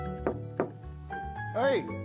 はい。